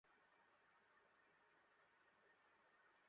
প্রবাসে বিশ্বের প্রতিটা দেশে একটা শহীদ মিনার স্থাপন করা এখন সময়ের দাবি।